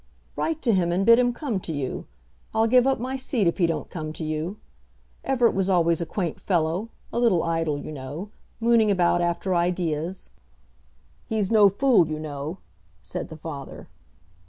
"Write to him and bid him come to you. I'll give up my seat if he don't come to you. Everett was always a quaint fellow, a little idle, you know, mooning about after ideas " "He's no fool, you know," said the father.